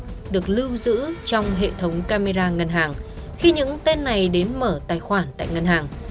được lưu giữ trong hệ thống camera ngân hàng khi những tên này đến mở tài khoản tại ngân hàng